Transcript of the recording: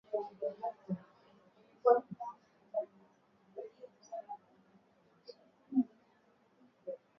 Matangazo ya Idhaa ya Kiswahili huwafikia mamilioni ya wasikilizaji katika Afrika Mashariki na Afrika ya kati